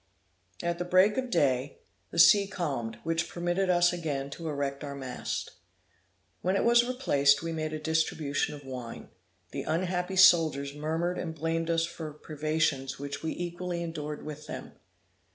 At break of day, the sea calmed, which permitted us again to erect our mast. When it was replaced, we made a distribution of wine. The unhappy soldiers murmured and blamed us for privations which we equally endured with them.